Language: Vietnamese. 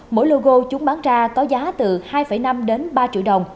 mỗi logo chúng bán ra có giá từ hai năm đến ba triệu đồng